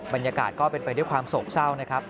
บรรยากาศก็เป็นไปด้วยความโศกเศร้านะครับ